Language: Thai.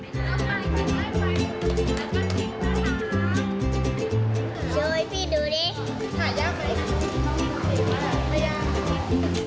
ช่วยพี่ดูดิ